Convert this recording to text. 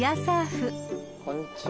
こんにちは。